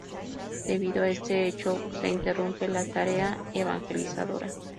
Debido a este hecho se interrumpe la tarea evangelizadora.